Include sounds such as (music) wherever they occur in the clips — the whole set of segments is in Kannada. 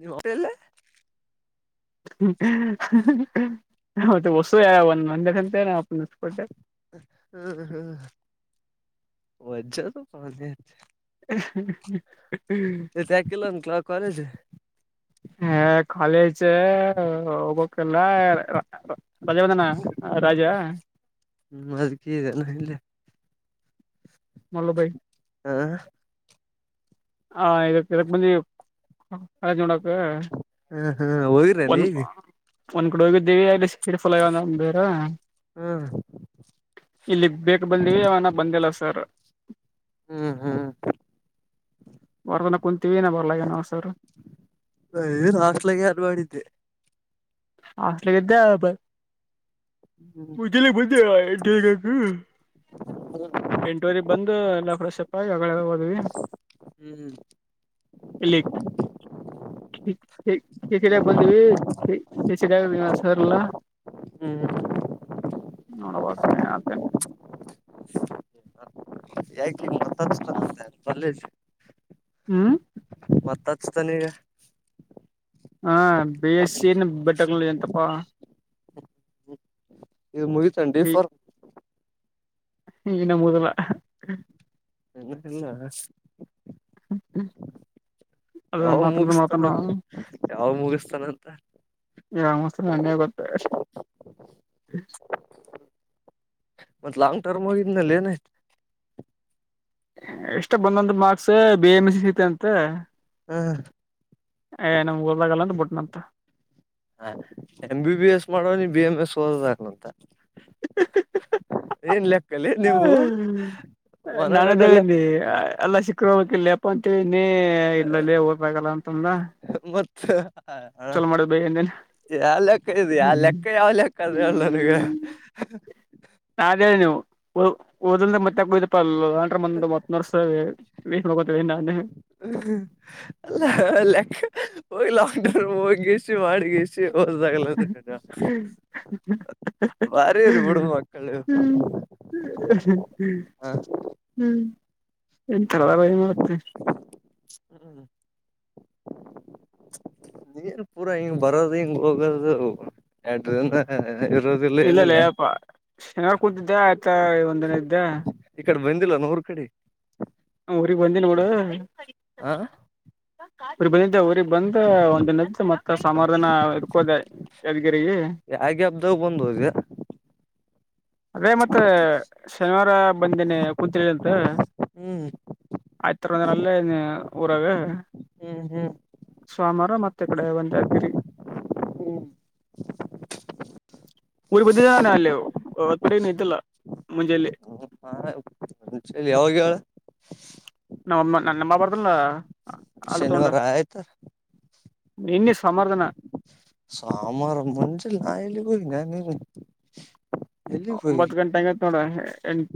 ನಿಮ್ಮಲ್ಲ (unintelligible) (unintelligible) ಮತ್ತೆ ಹೊಸು ಯ ಒಂದ ಮಂದದಂತೆ ನಾ ಅಪ್ಪನಿಸಕಟ್ಟೆ ಹ್ಮ್ ಹ್ಮ್ (unintelligible) (unintelligible) ಹ್ಮ್ (unintelligible) ಇವತ್ತು ಯಾಕೆ ಇಲ್ಲ, ಅಣುತಲಾ ಕಾಲೇಜ್? (inaudible) ಏ ಕಾಲೇಜ್ ಹೋಗ್ಬೇಕಲ್ಲ, ರಾ, ರಾ. (inaudible) ಬಂದಿದ್ದನಾ ರಾಜ? (inaudible) ಅದಿಕ್ಕೆ ಏನಲ್ಲ ಇಲ್ಲಿ? (inaudible) ಮಲೂ ಬೋವಿ. (inaudible) ಹ. (inaudible) ಹಾ, ಇದಕ್, ಇದಕ್, ಇದಕ್ಕೆ ಬಾಂಧವೀ ಕಾಲೇಜು ನೋಡಕ್ಕೆ. ಹ್ಮ್ ಹ್ಮ್ (inaudible) ಹೋಗಿರೇನ್ ಒಂದ ಈಗ ಒಂದು ಗಳಿಗೆ ಇದ್ವಿ ಸರಿ. (inaudible) ಇದು ಫಾಲೋಯಿಂಗ್ ಅವನು ಬೇರೆ? (inaudible) ಹ್ಮ್ ಇಲ್ಲಿ ಬೇಕಾ ಬೇಗ ಬಂದ್ವಿ ಅವನು ಬಂದಿಲ್ಲ ಸರ್? (inaudible) ಹ್ಮ್, ಹ್ಮ್. (inaudible) ವಾರ ಎಲ್ಲ ಕುಂತುವಿ ನಾ ಬರ್ಲಾ ಏನ ಸರ್? (inaudible) ನಾನು, ಏನು, ಹಾಸ್ಟ್ಲಗೆ ಆರು ಮಾಡಿದ್ದೆ. (inaudible) ಹಾಸ್ಟೆಲಿಗೆ ಇದ್ದೆ ಬಾ? (inaudible) ಹ್ಮ್ ಮುಗಿಲ ಬುದ್ಧಿ ನೀನು ನಂಗೆ. (inaudible) ಎಂಟುವರೆ ಬಂದು ನಾವ್ ಫ್ರೆಷಕ್ಕಾಗಿ ಆಮೇಲೆ ಹೊಂದುವಿ. (inaudible) ಹ್ಮ್. (inaudible) ಇಲ್ಲಿ ಇತಿಲ ಬಂದ್ವಿ ಈ. (inaudible) ಡಿಸಿ ಸರ್ ವಿನೋದ ಸರಿ ಇಲ್ಲ. (inaudible) ಹ್ಮ್. (unintelligible) ನೋಡುವ ಅತ್ಹೇನು. (inaudible) ಯಾಕೆ ಮತ್ತೊಂದು ಸ್ಟಾಕ್ ಇಲ್ಲ ತೊಳೆ ಇಡಿಸಿ. (unintelligible) ಹ್ಮ್. (inaudible) ಮತ್ತೆ ಹಚ್ತೀನಿ ಈಗ! (inaudible) ಆ ಬಿ ಎಸ್ ಈ ಬೆಟ್ಟ ಕಳ್ಳಿ ಅಂತಪ್ಪ. (inaudible) ಇದು ಮುಗಿದ ಡಿ ಸರ್. (inaudible) ಇದು ನಮ್ಮೂರಲ್ಲ ಅಹ. (inaudible) ನನುಗ್ ಗೊತ್ತಿಲ್ಲ. (inaudible) ಅದ ಯಾವಾಗ ಮಾತಾಡ ಮಾತಾಡ ಮುಗಿಸುತ್ತಾನೆ. (inaudible) ಯಾವಗ ಮುಗಿಸ್ತಾನಂತ. (inaudible) ಯಾವ ಮುಗುಸ್ತನೆ ನನಗೇನು ಗೊತ್ತು ಅಷ್ಟೇ? (inaudible) ಒಂದ್ ಲಾಂಗ್ ಟರ್ಮ್ ಹೋಗಿದ್ನಲ್ಲ ಏನು. (inaudible) ಎಸ್ಟು ಬಂದಂತ marks! B. M S C ಸಿಗುತದ ಅಂತ. (inaudible) ಹ. (inaudible) ಹೇ ನಾವು ಹೋದನಲ್ಲ ಅಂತ ಬಿಟ್ಟಂತೆ. (inaudible) ಹಾ ಎಂ, ಬಿ, ಬಿ, ಎಸ್. ಮಾಡೋನಿಗೆ B. M S. ಒಧನಳನಾಥೆ. (inaudible) Green left lake ಅಲ್ಲಿ ನೀವು ನಾನದ ಹೊರಗಡೆ ಲೆಫ್ಟ್. ಹೇಳಿನಿ (inaudible) ಎಲ್ಲ ಸಿಕ್ರ ಹೋಗಲೇ ಯಪ್ಪಾ ಅಂತ ಹೇಳೀನಿ. ಇಲ್ಲಲೆ ಹೋಗಕಾಗಲ್ಲ ಅಂತಂದ. (inaudible) ಮತ್ತ ಚಲೋ ಮಾಡಿದ ಬೈ ಯಾವ ಲೆಕ್ಕ ಇದು, ಯಾವ ಲೆಕ್ಕ ಅಂದೇನ ಯಾವ ಲೆಕ್ಕ. (inaudible) ಕದೇಳ್ ನನಗ. (inaudible) ಯಾವ್ದು ಹೇಳಿ ನೀವು. ಒ ಓದಂದ್ರ ಮತ್ಯಾಕ್ ಹೋಗಿದ್ದೆಪ ಲಾಂಡ್ರ್ ಮುಂದ್ ಮತ್ ವರ್ಷ ನೀವು. (inaudible) ವೇಟ್ ಮಾಡ್ಕೋತಾ ಇದೀನಿ ನಾನು. (inaudible) ಹೂ ಹೂ ಅಲ್ಲ ಲೆಕ್ಕ ಹೋಗಿ ಲಾಕ್ಡೌನ್ ಮುಗಿಸಿ ಮಾಡಿಗಿಸಿ. (inaudible) ಹೋಗೋದಾಗಲ್ಲ. ಭಾರಿರಿಬುಡು ಮಕ್ಕಳು. (inaudible) ಹ್ಮ್, ಹ ಹೂ ಒಂತರ ಆಗುತ್ತೆ ಮತ್ತೆ. (inaudible) ಹು, ಹು. (inaudible) ಏನು ಪೂರಾ ಹಿಂಗ್ ಬರೋದು ಹಿಂಗ ಹೋಗದು ನಾಡಿರಿನ. (unintelligible) ಹ, ನಾನ್ ಇರುವದಿಲ್ಲ.. (inaudible) ಇಲ್ಲಲೆ ಯಪ್ಪಾ. ಶನವು ಕುಂತಿದ್ದ ಆತ ಒಂದಿನ ಇದೇ? (inaudible) ಈಕಡೆ ಬಂದಿಲ್ಲನು ಊರ್ ಕಡೆ? (inaudible) ನಾ ಊರಿಗ್ ಬಂದಿನಿ ಬಿಡು. (unintelligible) ಹಾ. (inaudible) ಬಂದಿದ್ದೆ ಊರಿಗಿ ಬಂದು ಒಂದಿನ ಇದ್ದು ಮತ್ತೆ ಸೋಮಾರ ದಿನ ಇದ್ಕೋದೆ. (unintelligible) ಯಾದಗಿರಿಗಿ. (inaudible) ಯಾವ ಗ್ಯಾಪ್ದಾಗ ಬಂದು ಹೋದಿ. (inaudible) ಅದೇ ಮತ್ತೆ ಶನಿವಾರ ಬಂದೇನಿ ಕುಂತಿಳಿಂತ. (inaudible) ಹ್ಮ್. (inaudible) ಆಯ್ತರಿನಲೇ ಒಂದಿನಲ್ಲೇ ಊರಾಗೆ. (inaudible) ಹ್ಮ್ ಹ್ಮ್. (inaudible) ಸೋಮವಾರ ಮತ್ತೆ ಈಕಡೆ ಬಂದೆ ಯಾದಗಿರಿಗಿ. (inaudible) ಹ್ಮ್ ಊರಿಗಿ ಬಂದಿದ್ದೆ ನಾವೂ ಅಲ್ಲಿ ಹೊಸಪೇಟೆಗೂನ ಇದ್ದಿಲ್ಲ ಮುಂಜೆಲ್ಲಿ. (inaudible) ಹೂ ಹ ನಾಳೆ. (inaudible) ಹು ಚಳಿ ಯಾವಾಗ? (inaudible) ನಮ್ಮಮ್ಮ, ನನ್ನಮ್ಮ ಮಾತಾಡ್ಕೊಂಡು ಹಾಲು ತಗೊಂಡು. ಶನಿವಾರ (inaudible) ಆಯ್ತ ನಿನ್ನೇ ಸೋಮಾರ್ ದಿನ. (inaudible) ಸೋಮಾರ್ ಮುಂಜಲೆ ನಾನು ಎಲ್ಲಿಗೆ ಹೋಗಿನ್ಯಾ ನೀನು. (inaudible) ಎಲ್ಲಿಗ್ ಒಂಬತ್ ಹೋಗಿಲ್ಲ ಗಂಟೆ ಆಯ್ತೇ ನೋಡು. ಎಂಟು! (inaudible)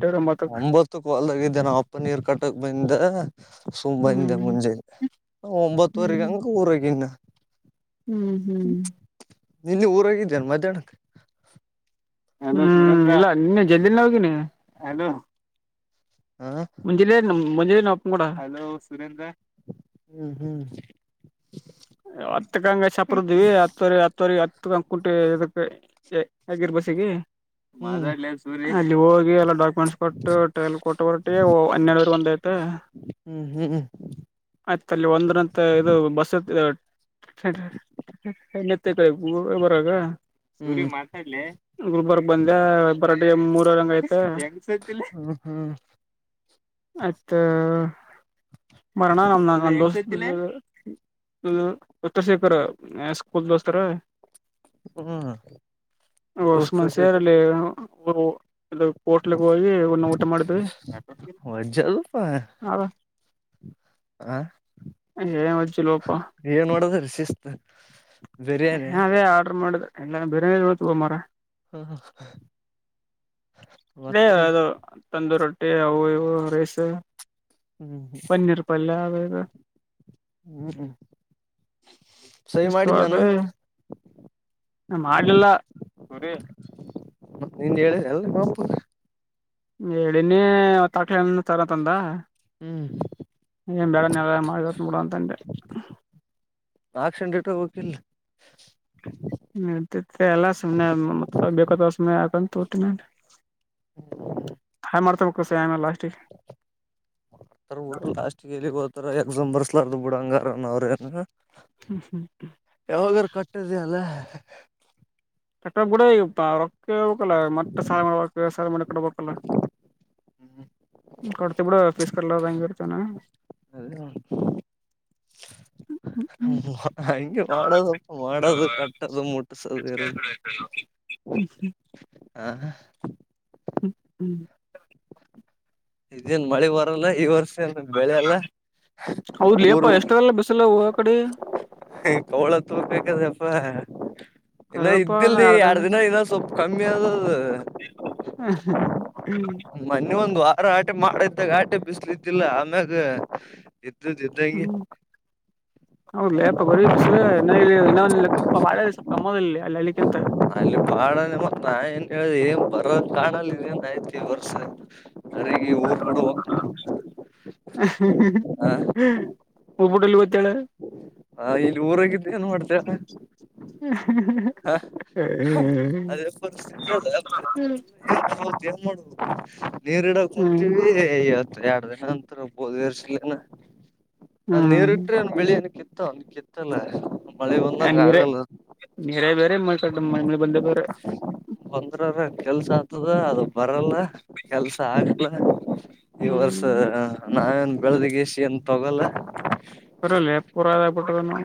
ಒಂಬತ್ತಕ್ ಹೊಲ್ದಾಗಿದ್ದೇ ನಮ್ಮಪ್ಪ ನೀರ್ ಕಟ್ಟಕ್ ಬಂದಿದ್ದ. (inaudible) ಸೋ, ಬಂದೆ ಹ್ಮ್ ಮುಂಜಲೆ, ಒಂಬತ್ತುವರೆಗ ಹ್ಮ್ ಹಂಗೂ ಊರಗ ಈನ್ ನಾ. (inaudible) ಹ್ಮ್ ಹ್ಮ್. (inaudible) ನೀನೇ ಊರಾಗಿದ ಮತ್ಹ್ಯಾಡು? (inaudible) ಹ್ಮ್, ಇಲ್ಲ ನಿನ್ನೆ ಜಲ್ದಿನ ಹೋಗಿನಿ. (unintelligible) ಹಾ. (inaudible) ಮುಂಜೆಲೆ ನಮ್ ಮುಂಜಾಲೆ ನಮ್ಮಪ್ಪನ ಕೂಡ. ಹಲೋ ಸುರೇಂದ್ರ. (unintelligible) ಹೂ ಹ್. (inaudible) ಹತ್ತ ಕಂಗೆ ಚಪರ್ದ್ವಿ ಹತ್ತವರಿ ಹತ್ತವರಿ ಹತ್ ಕುಂಟೆ ಇದಕ್. (inaudible) ಹೇ ಆಗಿರ ಬಸಗಿ! (inaudible) ಹ್ಮ್. (inaudible) ಅಧ್ಯಕಾಲೆ ಸೂರ್ಯ ಅಲ್ಲಿ ಹೋಗಿ ಎಲ್ಲ ಡಾಕ್ಯುಮೆಂಟ್ಸ್! ಕೊಟ್ಟು ಟ್ರೈಲ್ ಕೊಟ್ ಬರಟಿಗಿ ಹನ್ನೆರಡವರೆ ಒಂದ್ ಐತು. (inaudible) ಹ್ಮ್ ಹ್ಮ್ ಹ್ಮ್. (inaudible) ಹತ್ತರಲ್ಲಿ ಒಂದರಂತೆ ಇದು ಬಸ್ ಆತು ಬಸ್ಟ್ಯಾಂಡ್ ನಡೀರಿ ನಡೀರಿ ಮೇಲೇ ಅತಿ. (inaudible) ಗುಲಬರಗ ಹ್ಮ್ ಸೂರಿ ಮಾತಾಡ್ಲೆ ಗುಲ್ಬರ್ಗಕ್ಕೆ ಬಂದ ಬರಕ್. (inaudible) ಮೂರರಂಗ ಐತೆ? (unintelligible) ಹ್ಮ್ ಹ್ಮ್ ಮತ್ತು ಮರಣ ನಮ್ ನಾನಾ ದೋಸ್ತ್ ತಿನ್ನೋದು! (unintelligible) ಹುತ್ತಾಶೇಖರ್ ಏ ಸ್ಕೂಲ್ದ ಹೆಸರು. (inaudible) ಹ್ಮ್ ಹೊಸ ದೋಸ್ತರ ಮಷಿ ಸೇರಿ ಜೊತೆ ಅಲ್ಲಿ ಊರು! (inaudible) ಅದು ಹೋಟ್ಲಿಗೆ ಹೋಗಿ ನಾವು ಊಟ ಮಾಡಿದೀವಿ. (unintelligible) ಜಲ್ಲು ಪ! (inaudible) ಹೇ ಏನು ಹೋಗು ಚಲ್ಲೋ ಹೋಗು. (inaudible) ಏನ್ ಮಾಡಿದ್ದು ಸಿಸ್ಟ್. (inaudible) ಹ ಅದೇ ಆರ್ಡರ್ ಮಾಡಿದ್ರ ಎಲ್ಲ ಬಿರಿಯಾನಿಳ್ತ ಬ ಮರ. ಹ ಹೇ ಮತ್ತೇನ್ ಅದು. ತಂದು ರೊಟ್ಟಿ ಅವು ಇವು ರೈಸ್. ಹ್ಮ್ ಹ್ಮ್ ಪನ್ನೀರ್ ಪಲ್ಯ ಅದು ಇದು ಹ್ಮ್ ಹ್ಮ್. ಸಹಿ ಮಾಡಿದ್ ಇಷ್ಟತ ನಾನು ಮಾಡಲಿಲ್ಲ. ನಿಂಗ ಹೇಳಿದ ಅಲ್ರೀ ಪಾಪ. ನಿನ್ನೆ ಒತ್ತಾಕಿ ಹಣ್ಣ ತಾರಾತಾನ್ ಲಾ. ಹ್ಮ್. ಏನು ಬೇಡ ನೆಳ್ಳಾಗ ಮಾಡ ಬಿಡು ಅಂತ ಅಂದೆ. ಆಕ್ಕ್ಷಂಡ ಇಟ್ಟು ಹೋಗ್ಬೆಕಿಲ್ಲ. ಎಲ್ಲ ಸುಮ್ಮನೆ ಮತ್ತ ಬೇಕ ಸುಮನೆ ಬೇಕಂತೆ ಯಾಕ ಅಂತ ಹುಟಗೋಂಡ. ಹಾಯ್ ಮಾಡ್ತೊಬೇಕು ಸಿಗಾಂಗಿಲ್ಲಾ ಆಮಲೆ ಲಾಸ್ಟಿಗೆ. ಲಾಸ್ಟ್ ಎಲ್ಲಿಗೆ ಹೋತಾರ ಎಕ್ಸಾಮ್ ಬರ್ಸ್ಲಾರ್ದ ಬಿಡಂಗಾರನ ಅವ್ರ ಏನ್. ಯಾವಾಗರು ಕಟ್ಟದ ಅಲ್ಲ. (unintelligible) ಹ್ಮ್. ಕೊಡ್ತ ಬಿಡ ಫೀಸ್ ಕಟ್ಲ್ದಗೆ ಬಿಡ್ತಾನ. ಅದ. ಹಂಗೆ ಮಾಡೋದಪ್ಪ ಮಾಡೋದು ಕಟ್ಟದು ಮುಟ್ಟಸದು ಇರೋದು. ಹ್ಮ. ಹಾ. ಹ್ಞ ಹ್ಞೂ. ಇದೇನ್ ಮಳೆ ಬರಲ್ಲ ಈ ವರ್ಷ. ಬೆಳೆ ಎಲ್ಲ ಹೌದ್ ಲೇಪ ಊರು. ಎಷ್ಟದಲ್ಲ ಬಿಸಿಲ ಹೋಗ ಕಡೆ ಕೋಳ ತೂರ್ ಬೇಕಾದ್ರೆಪ್ಪ. ಇನ್ನ ಕರಿಯಪ್ಪ ನಾ ಇದ್ದಿಲ್ ಎರಡ್ ಹೇಳ್ದನೆ ದಿನ ಇನ್ನ ಸ್ವಲ್ಪ್ ಕಮ್ಮಿ ಆದ ಅದು. ಹ ಹಾ ಹ ಹ್ಮ. ಮನ್ಯೂ ಒಂದ್ ವಾರ ಆಟೆ ಮಾಡೈತ್ತಾಗ ಆಟೆ ಬಿಸ್ಲಯಿತಿಲ್ಲ ಆಮ್ಯಾಗ. (unintelligible) ಇದ್ದಂಗೆ. ಹೌದಲೇಪ ಬರೀ ಬಿಸ್ರ ಇಕ್ಕಪ್ಪ ಬಾ ಸ್ಪ ಕಮ್ಮಲ್ಲಿ ಅಲ್ಲಿ ಅಲ್ಲಿಕಿಂತ. ಅಲ್ಲಿ ಬಾಡ ಮತ್ತ ನಾ ಏನ್ ಹೇಳ ಏನ್ ಬರೋ ಕಾಡಲ್ಲನ್ ಆಯ್ತಿ ವರ್ಸ. (unintelligible) ಹೇ ಹಾ ಹೇ ಹಬ್ಬಿಟ್ಟಲ್ಲಿ ಗೊತ್ತಾಳ. ಹ ಇಲ್ಲಿ ಊರಾಗ ಇದ್ದೆ ಏನ್ ಮಾಡ್ತಿ ಅಣ್ಣಾ. (unintelligible) ಹ ಅದೇ. (unintelligible) ನದೇನ್ ಮಾಡ್ಬುದು ನೀರ್ ಇಡಕ್ ಹ್ಮ್ ಕುಂತೀವಿ. ಎರಡ್ ದಿನ ಅಂತಿದ್ರು ಬೋರ ಎಲ್ಬೆ ಇಲ್ಲ ಅಣ್ಣಾ ಹ್ಮ್ ನೀರಿಟ್ಟ್ರೆ ಒ ಬೆಳಿನ ಕಿತ್ತ ಕಿತ್ತ. ಇತ್ತಲ್ಲ ಮಳೆ ಬಂದಂಗ ಆಗಲ್ಲ. ನೀರೆ ಬೇರೆ ಮ ಕ ಮ ಮೇಲೆ ಬಂದ ಬೇರೆ. ಬಂದ್ರ ಅರೆ ಕೆಲ್ಸ ಆತದ ಅದು ಬರಲ್ಲ ಕೆಲ್ಸ ಆಗ್ಲ್. ಈ ವರ್ಸ ಹ್ಮ್ ನಾವೇನ್ ಬೆಳದಗೆಸ ಏನ್ ತಗೊಲ್ಲ. ಬರಲ್ಲ ಪ್ರಾಧಾಯಪಟ್ಟದನ್ನ.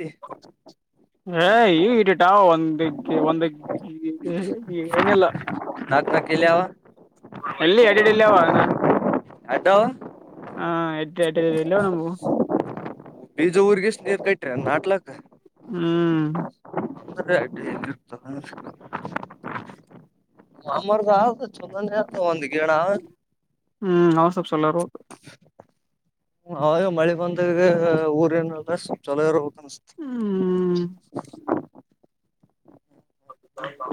ಏ. ಹಏ ಈ ಇಟಟಾ ಒ (unintelligible) ಒಂದಗ್ಗೆ ಒಂದಗ್ ಏನಿಲ್ಲ (unintelligible) ನಾಕ್ ನಾಕೆಲ್ಲಾವ ಎಲ್ಲಿ ಎರಡ-ಎರಡೆಲಿ ಅವಾಣ್ಣಾ ಹಟೋ (unintelligible) ಹಾ ಎಡ್ ಎ ಇಲ್ಲವ ನಮವು (unintelligible) ಬೀಜ ಊರಿಗೆಷಿನೀರ್ ಕಟ್ಟ್ರೆನ್ ನಾಟ್ಲಕ್ ಹ್ಮ್, ೇವಿ ತ ಮುಶಕ (unintelligible) ಮಾಮರ್ದ ಆದ ಚೋಲನೆ ಆದ ಒಂದು ಗೇಣಾತದ. ಹ್ಮ್, ಅವಂದ ಸ್ವಲ್ಪ ಚೋಲೋಇರಬೇಕ. ಅವಾಗ ಮಳಿ ಬಂದಾಗ ಊರ್ಯಾನಲ್ಲಾ ಚೊಲ ಇರಬೇಕ್ನ್ಸತ್ತೆ. ಹ್ಮ (inaudible)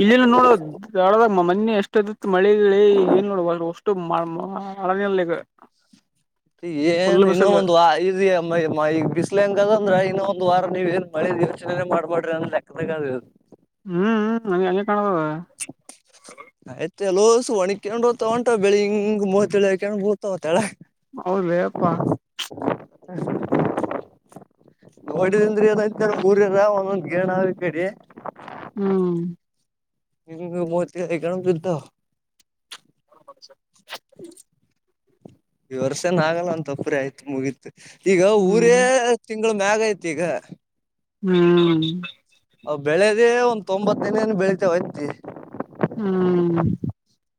ಇಲ್ಲಿನ ನೋಡ ದಾಳದ ಮೊನ್ನೆ ಎಷ್ಟ ಎಷ್ಟ ಎದ್ದಿತ್ ಮಳೆಗಳಿಗೆ ಏನ್ ನೋಡ ಅ (unintelligible) ಅಷ್ಟು ಮಳಗಾಲ ಈಗ ಏನ್ ಫುಲ್ ಇನ್ನೊ ಬಿಸಿಲು ಒಂದು ಇ (unintelligible) (unintelligible) ಈಗ ಬಿಸ್ಲಹೆಂಗಾದಂದ್ರ ಇನ್ನೊ ಒಂದ ವಾರ ನೀವ ಏನ್ ಮಳೆ ಯೋಚನೆ ಮಾಡ್ಬೇಡ್ರಿ ಅನ್ನೊ ಲೆಕ್ಕದಾಗ ಆದ. ಹ್ಮ್, ಹ್ಮ್ ಹಂಗೆಕಾಣತದ. (inaudible) ಆಯ್ತ ಎ ಲ್ಲೋಸು ಒಣಿಕೆಂಡ ಹೋಗತಾವ ಒಂಟಾವ ಬೆಳಿ ಹಿಂಗ ಮೊತಿಳಾಕಂದ ಬುಳ್ತಾವ ಕೇಳುಗ. ಹೌದ್ಲೆಯಪ್ಪಾ ಹ (inaudible) ನೋಡಿದಂದ್ರ ಏನಂತೇನ ಊರಿರ ಒಂದೊಂದ್ ಗೇಣಾವ ಈಕಡೆ. ಹ್ಮ್, ಹಿಂಗಮೊತಿ ಇಳ್ಯಾಕಂದ ಕುಂದ್ರತವಾ ಹ (unintelligible) ಈ ವರ್ಷನ ಆಗಲ್ಲ ಅಂತಪರಿ ಆಯ್ತು ಮುಗೀತ. ಈಗ ಊರೇ ಹ್ಮ್ ತಿಂಗಳ ಮ್ಯಾಗ ಆಯ್ತು ಈಗ. ಹ್ಮ್, ಅವು ಬೆಳೆದೇ ತೊಂಬತ್ತ ದಿನ ಬೆಳಿತವೆ ಹತ್ತಿ ಹ್ಮ್,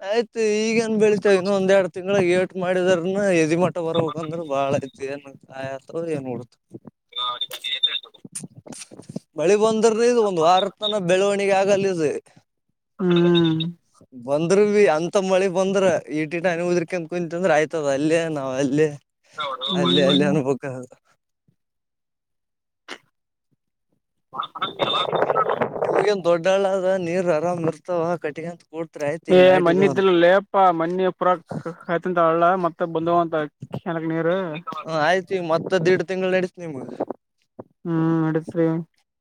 ಆಯ್ತು ಈಗೇನ್ ಬೆಳೀತಾವ ಇನ್ನು ಒಂದೆರಡು ತಿಂಗಳ್ದಗ ಏಟ ಮಾಡಿದಾರನುಎದಿ ಮಟ್ಟ ಊಟ್ಟ ಬರ್ಬೇಕ ಅಂದ್ರೆ ಬಾಳ ಇದ ನ್ ಕಾಯ ಅಂತ ಏನ್ ನಡುತ್ತು (unintelligible) ಹು (unintelligible) ಮಳಿ ಬಂದ್ರನು ಇದು ಒಂದು ವಾರದ ತನ ಬೆಳವಣಿಗೆ ಆಗಲ್ಲಿದು. ಹ್ಮ್, ಬಂದ್ರ ಬಿ ಅಂತ ಮಳಿ ಬಂದ್ರ ಈಟಿಟಾ ಹನಿ ಉದ್ರಕ ಅಂತ ಕುಂತಿತಂದ್ರ ಆಯ್ತದ ಅಲ್ಲೆ ನಾವ್ ಅಲ್ಲೆ. ಅಲ್ಲಿ ಅಲ್ಲಿ ಹ್ಮ್ ಅನ್ಬೇಕ ಮ ಮನು ಎಲ್ಲ ಕೊತಡ (inaudible) ಈಗೇನ್ ದೊಡ್ಡಹಳ್ಳ ಅದ ನೀರ್ ಆರಾಮ ಇರ್ತಾವ ಕಟ್ಟಿಗಂತ ಕೂಡ್ತ್ರಿ ಆಯ್ತ್ ಈಗ ಏಯ್ ನೈಟ್ ಇದಾವಲ್ಲ. ಮೊನ್ನೆದ್ದಿಲಲ್ಲೇ ಯಪ್ಪಾ ಪ್ಪಾ ಮನಿ ಪುರ ಕಯ್ತಂತ ಅಳ್ಳ ಮತ್ತ ಬಂದ ವಂತ ಕ್ಯಾನಲಕ್ ನೀರು. ಹ ಆಯ್ತು ಮತ್ತದ ದಿಡ್ ತಿಂಗಳು ನಡಿತ ನಿಮ್ಗ. ಹ್ಮ್, ನಡತ್ರಿ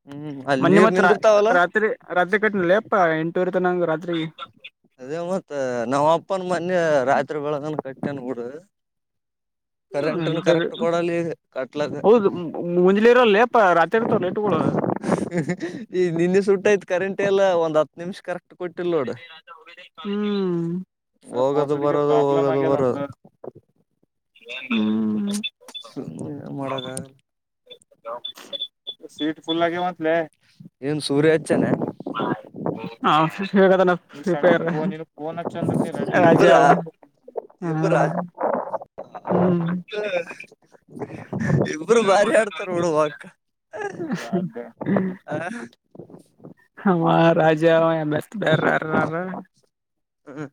ಹ್ಮ್ ಅಲ್ಲಿ ಮೊನ್ನೆ ನೀರ್ ಮತ್ ರಾ ನಿಂದಿರ್ತಾವಲ್ಲ ರಾತ್ರಿ ರಾತ್ರಿ ಕಟ್ನೆಲೆ ಯಪ್ಪಾ ಎಂಟೂವರಿ ತನ ರಾತ್ರಿ ಅದೇ ಮತ್ತ ನಮ್ಮ ಅಪ್ಪನ್ ಮೊನ್ನೆ ರಾತ್ರಿ ಬೆಳಗಾನ ಕಟ್ಟ್ಯನಬಿಡು. ಕರೆಂಟ್ನ ಎಂಟೂವರೆ ಕರೆಕ್ಟ್ ಕೊಡಲ್ಲ ಇಗ ಹೌದು ಮುಂಜ್ಲಿ ಇರ ಲೇಪ ರಾತ್ರಿ ಇರ್ತಾವ ಲೇಟ್ಗಳು ಈ ನಿನ್ನೆ ಸುಟ್ಟ ಆಯ್ತು ಕರೆಂಟ್ ಎಲ್ಲ ಒಂದ್ ಹತ್ತು ನಿಮಿಷ್ ಕರೆಕ್ಟ್ ಕೊಟ್ಟಿಲ್ ನೋಡ ಹ್ಮ್ ಅ ಹೋಗೋದು (unintelligible) ಬರೋದು ಪ್ರಾಬ್ಲಮ ಹೋಗೋದು ಆಗದ ಬರೋದು ಅಂದ್ರ ಸುಮ್ನೆ ಮಾಡಗ ಸೀಟು ಫುಲ್ ಅಗ್ಯಾವಂತಲೆ ಏನ್ ಸೂರ್ಯ ಹಚ್ಚನ ಹ (unintelligible) ಫೋನ್ ಹಚ್ಚು ಅಂದ್ರೆ ಇಬ್ರ ಇಬ್ರ (unintelligible) ಹ್ಮ್ ಇಬ್ರು ಭಾರಿ ಆಡ್ತಾರ ನೋಡು ವಕ್ ಹ ಅಮ ರಾಜ ಅವ್ನೇ (unintelligible) ಬೇರೆ ಯಾರನ ಅವ್ರ ಹ್ಮ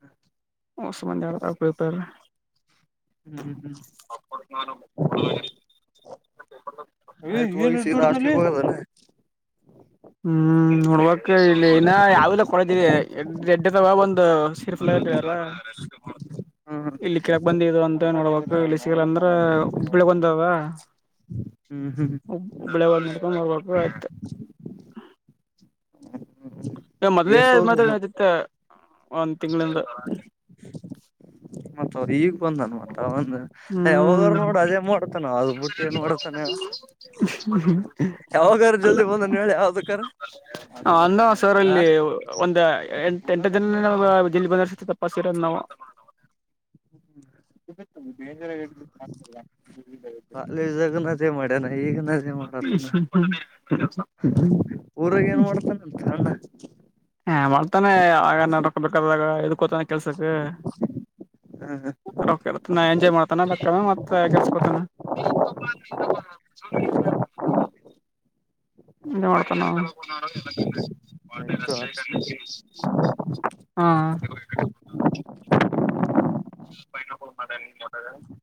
(unintelligible) ಆಡ್ತಾ ಕುಥರಾ ಹ್ಮ್ ಹ್ಮ್ ಹ್ಮ್ (unintelligible) ಹಾ ಹ್ಮ್ ನೋಡ್ಬಕ್ ಇಲ್ಲಿ ಇನ ಯಾವೆಲ್ಲ ಕೊಳದಿದೆ ಎಡ್ಡ ದವ ಒಂದು (unintelligible) ಹ್ಮ್ ಇಲ್ಲಿ ಕೀಳಕ್ ಬಂದಿದು ಅಂತ ನೋಡ್ಬೇಕ್ ಇಲ್ಲ ಅಂದ್ರ ಉಬ್ಳ ಬಂದಾವ ಹ್ಮ್ ಹ್ಮ್ ಒಬ್ಬಳೆ ನಡ್ಕೊಂಡ್ ಹೋಗಬೇಕ ಅಯ್ತು ಈಗ ಮೊದ್ಲೇ ಬೇಸೋದು ಮ (unintelligible) ಒಂದ್ ತಿಂಗಳಿಂದ ಮತ್ತೆ ಅವ್ರು ಈಗ ಬಂದಾನ ಮತ್ತ ಒಂದ ಯಾವಾಗರು ಹ್ಮ್ ನೋಡು ಅದೇ ಮಾಡೋತಾನ ಅ ಬಿಟ್ಟಿ ಏನ್ ಮಾಡೋತಾನೆ ಯಾವಾಗಾರ ಅಲ್ಲ ಜಲ್ದಿ ಬಂದನ್ ಹೇಳ ಯಾವ್ದಕ್ಕಾರ ಅನ್ನ ಸಾರ್ ನಾ ಅಲ್ಲಿ ಒಂದ್ ಎಂಟ ಎಂಟು ದಿನ ನಾವ ಬಿಲ್ ಬದಲಾಯಿಸ್ತಾ (unintelligible) ನಾವ ಡೇಂಜರ್ (unintelligible) ಕಾಲೇಜಿನಗ ಅದೆ ಮಾಡ್ಯನ ಈಗ ನ ಅದೇ ಮಾಡತಾನ ಊರಾಗ ಏನ್ ಮಾಡ್ತಾನ (unintelligible) ಹ ಮಾಡ್ತಾನೆ ಆಗ ನೋಡಕಬೇಕಾದಾಗ ಇಡಕೋತಾನೆ ಕೆಲ್ಸಕ್ ರೊಕ್ಕ (unintelligible) ಎಂಜಾಯ್ ಮಾಡ್ತಾನ (unintelligible) ಮತ್ತೆ ಕೆಲ್ಸಕ್ಕೆ ಬರ್ತಾನೆ (unintelligible) ನೋಡ್ತಾನೆ ಹ ಆಯ್ತು ಅವ್ನೆ ಹಾ (unintelligible)